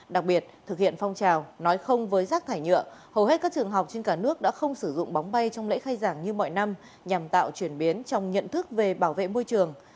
đặc biệt thực hiện phong trào nói không với rác thải nhựa hầu hết các trường học trên cả nước đã không sử dụng bóng bay trong lễ khai giảng như mọi năm nhằm tạo chuyển biến trong nhận thức về bảo vệ môi trường